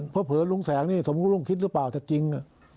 เพราะเผื้อลุงแสงนี่สมมุติว่าลุงคิดรึเปล่าแต่จริง